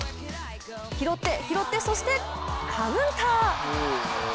拾って、拾って、そしてカウンター。